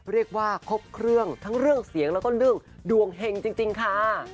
เรียกว่าครบเครื่องทั้งเรื่องเสียงแล้วก็เรื่องดวงเห็งจริงค่ะ